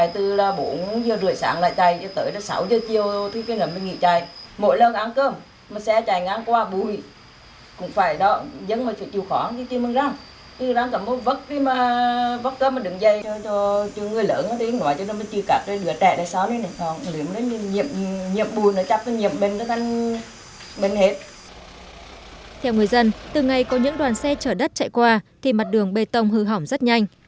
theo người dân từ ngày có những đoàn xe chở đất chạy qua thì mặt đường bê tông hư hỏng rất nhanh